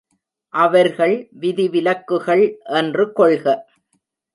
அவர்கள் விதிவிலக்குகள் என்று கொள்க.